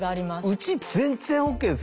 うち全然ＯＫです。